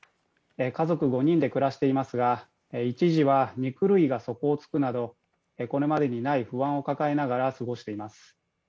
家族５人で暮らしていますが、一時は肉類が底をつくなどこれまでにない不安を抱えながら過ごしています。